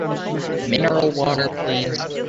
Mineral water please!